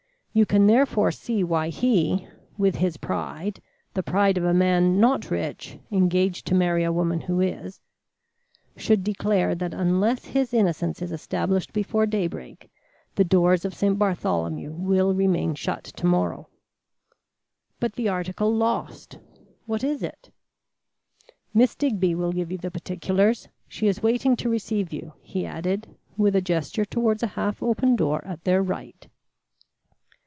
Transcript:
You can therefore see why he, with his pride the pride of a man not rich, engaged to marry a woman who is should declare that unless his innocence is established before daybreak, the doors of St. Bartholomew will remain shut to morrow." "But the article lost what is it?" "Miss Digby will give you the particulars. She is waiting to receive you," he added with a gesture towards a half open door at their right.